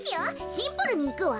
シンプルにいくわ。